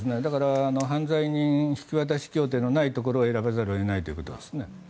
犯罪人引き渡し協定のないところを選ばざるを得ないということですね。